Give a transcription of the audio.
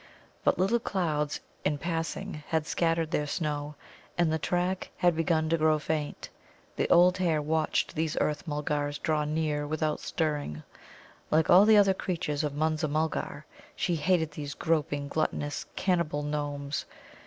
But little clouds in passing had scattered their snow, and the track had begun to grow faint. The old hare watched these Earth mulgars draw near without stirring. Like all the other creatures of Munza mulgar, she hated these groping, gluttonous, cannibal gnomes.